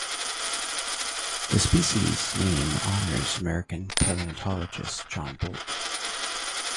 The species name honors American paleontologist John Bolt.